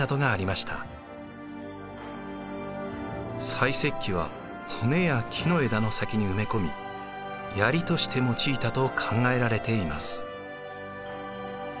細石器は骨や木の枝の先に埋め込みヤリとして用いたと考えられています。